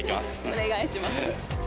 お願いします。